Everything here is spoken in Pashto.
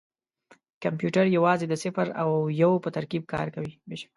کمپیوټر یوازې د صفر او یو په ترکیب کار کوي.